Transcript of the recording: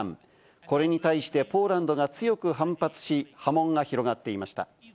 これに対してポーランドが強く反発し、波紋が広がっていました。